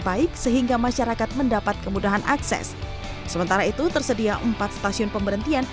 baik sehingga masyarakat mendapat kemudahan akses sementara itu tersedia empat stasiun pemberhentian